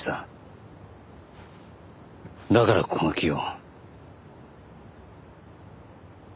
だからこの木を。